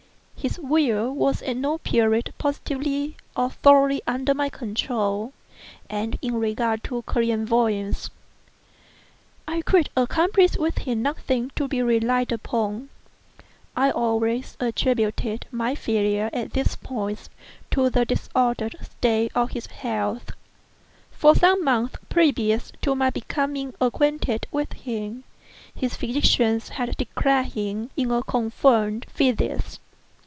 His will was at no period positively, or thoroughly, under my control, and in regard to clairvoyance, I could accomplish with him nothing to be relied upon. I always attributed my failure at these points to the disordered state of his health. For some months previous to my becoming acquainted with him, his physicians had declared him in a confirmed phthisis.